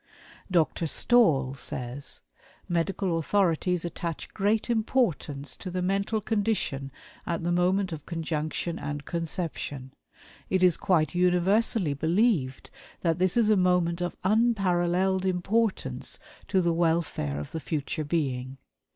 Dr. Stall says: "Medical authorities attach great importance to the mental condition at the moment of conjunction and conception. It is quite universally believed that this is a moment of unparalleled importance to the welfare of the future being.